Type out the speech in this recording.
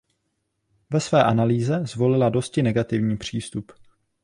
Ve své analýze zvolila dosti negativní přístup.